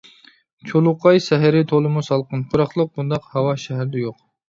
چۇلۇقاي سەھىرى تولىمۇ سالقىن، پۇراقلىق، بۇنداق ھاۋا شەھەردە يوق.